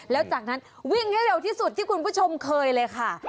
แล้วจากนั้นวิ่งให้เร็วที่สุดที่คุณผู้ชมเคยเลยค่ะ